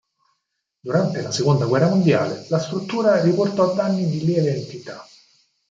Durante la seconda guerra mondiale la struttura riportò danni di lieve entità.